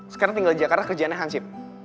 sekarang tinggal di jakarta kerjaannya hansip